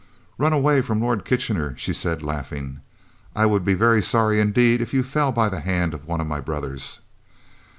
"Run away from Lord Kitchener!" she said, laughing. "I would be very sorry indeed if you fell by the hand of one of my brothers."